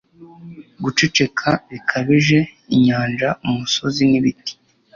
guceceka bikabije. inyanja, umusozi, n'ibiti